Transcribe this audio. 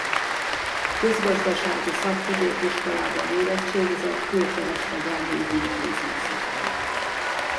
Közgazdasági szakközépiskolában érettségizett külkereskedelmi ügyintéző szakon.